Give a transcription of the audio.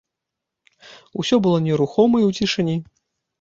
Усё было нерухома і ў цішыні.